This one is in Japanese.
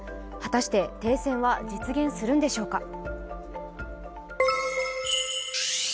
果たして、停戦は実現するんでしょうか。